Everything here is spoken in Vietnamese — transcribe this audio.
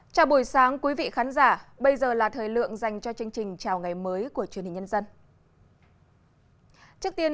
chào mừng quý vị đến với bộ phim hãy nhớ like share và đăng ký kênh của chúng mình nhé